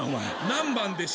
何番でしょう？